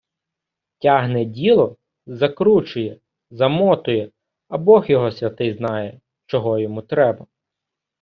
Тягне діло, закручує, замотує, а бог його святий знає, чого йому треба.